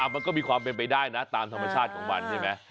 มันก็มีความเป็นไปได้นะตามธรรมชาติของมันใช่ไหม